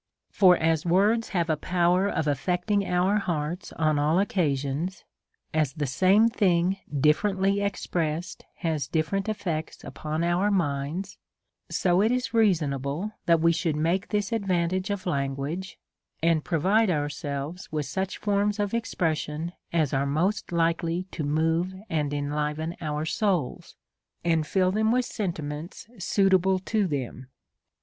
For as words have a power of alTecting our hearts on all occasions, as the same thing differently expressed has different efiects upon our minds, so it is reason able that we should make this advantage of language, and provide ourselves with such forms of expressions as are most likely to move and enliven our souls, and till them with sentiments suitable to them.